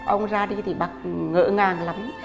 ông ra đi thì bác ngỡ ngàng lắm